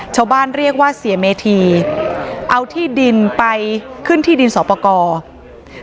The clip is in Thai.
ชาวบ้านเรียกว่าเสียเมธีเอาที่ดินไปขึ้นที่ดินสอบประกอบ